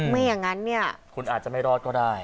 ไม่อย่างนั้นเนี่ยคุณอาจจะไม่รอดก็ได้